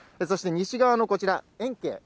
そして西側のこちら、延慶。